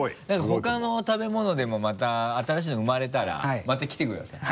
他の食べ物でもまた新しいの生まれたらまた来てください。